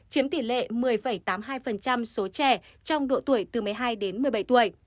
chiếm tỷ lệ một mươi tám mươi hai số trẻ trong độ tuổi từ một mươi hai đến một mươi bảy tuổi